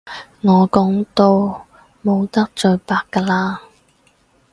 我講到冇得再白㗎喇